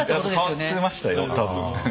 変わってましたよ多分。